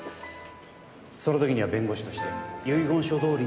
その時には弁護士として遺言書どおりに執行致します。